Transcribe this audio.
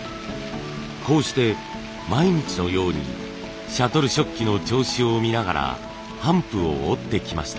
こうして毎日のようにシャトル織機の調子を見ながら帆布を織ってきました。